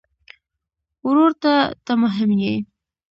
ورور ته ته مهم یې.